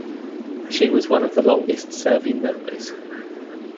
She was one of the longest serving members.